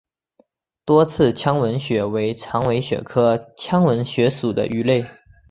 多刺腔吻鳕为长尾鳕科腔吻鳕属的鱼类。